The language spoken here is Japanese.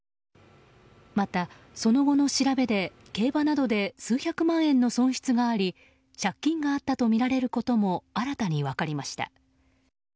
また、その後の調べで競馬などで数百万円の損失があり借金があったとみられることも新たに分かりました。